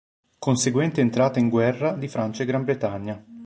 Conseguente entrata in guerra di Francia e Gran Bretagna.